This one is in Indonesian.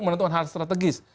menentukan hal strategis